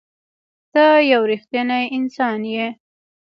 ته یو رښتنی انسان یې.